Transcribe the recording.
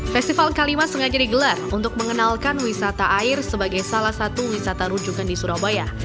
festival kalimas sengaja digelar untuk mengenalkan wisata air sebagai salah satu wisata rujukan di surabaya